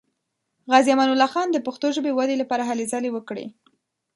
غازي امان الله خان د پښتو ژبې ودې لپاره هلې ځلې وکړې.